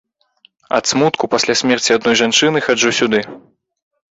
Ад смутку, пасля смерці адной жанчыны, хаджу сюды.